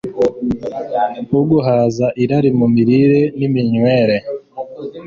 Uguhaza irari mu mirire niminywere